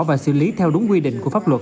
và xử lý theo đúng quy định của pháp luật